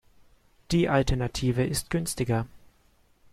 Die Alternative ist günstiger.